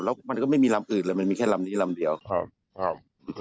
แล้วมันก็ไม่มีลำอื่นเลยมันมีแค่ลำนี้ลำเดียวครับครับ